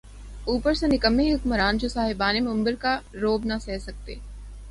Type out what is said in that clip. اوپر سے نکمّے حکمران‘ جو صاحبان منبر کا رعب نہ سہہ سکتے۔